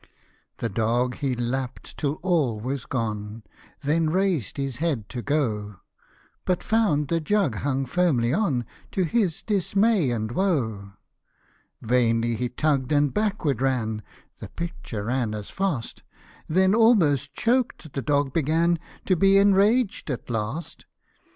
The dog he lapp'd till all was gone, Then raised his head to go ; But found the jug hung firmly on, To his dismay and woe. Vainly he tugg'd, and backwards ran ; The pitcher ran as fast ; When almost choked, the dog began To be enraged at last.